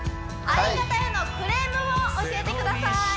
相方へのクレームを教えてください